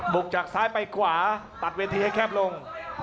กจากซ้ายไปขวาตัดเวทีให้แคบลง